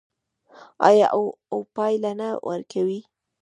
آیا او پایله نه ورکوي؟